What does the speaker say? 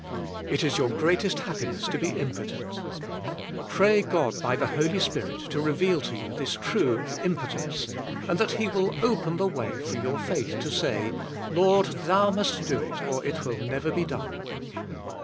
It is your greatest happiness to be impo tent. Pray God by the Hol}^ Spirit to reveal to you this true impotence, and that will open the way for your faith to say, "Lord, Thou must do it, or it will never be done."